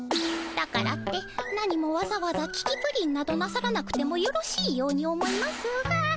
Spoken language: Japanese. だからって何もわざわざききプリンなどなさらなくてもよろしいように思いますが。